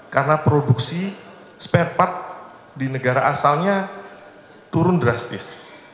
karena produksi spare part di negara asalnya turun drastis